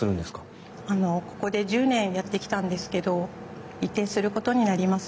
あのここで１０年やってきたんですけど移転することになります。